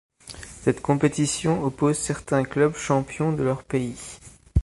Cette compétition oppose certains clubs champions de leur pays.